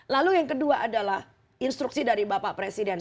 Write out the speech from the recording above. lalu yang kedua adalah instruksi dari bapak presiden